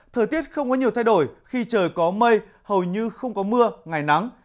thời tiết không có nhiều thay đổi khi trời có mây hầu như không có mưa ngày nắng